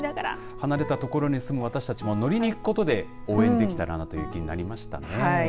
離れたところに住む私たちも乗りに行くことで応援できたらなという気になりましたね。